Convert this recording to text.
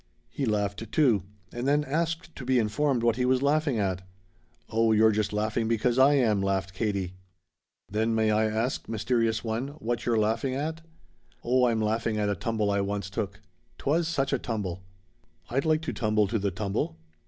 He laughed, too, and then asked to be informed what he was laughing at. "Oh, you're just laughing because I am," laughed Katie. "Then may I ask, mysterious one, what you're laughing at?" "Oh I'm laughing at a tumble I once took. 'Twas such a tumble." "I'd like to tumble to the tumble."